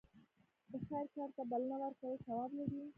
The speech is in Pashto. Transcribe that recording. د خیر کار ته بلنه ورکول ثواب لري.